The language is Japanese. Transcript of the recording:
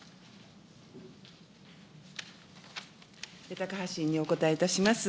高橋委員にお答えいたします。